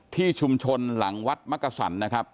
ที่ชุมชนหลังวัดมกษันนะครับ